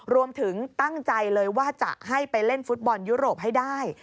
รวมถึงตั้งใจเลยว่าจะให้ไปเล่นฟุตบอลยุโรปให้ได้